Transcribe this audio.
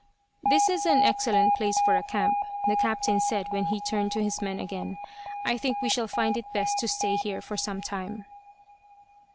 "This is an excellent place for a camp," the captain said when he turned to his men again. "I think we shall find it best to stay here for some time."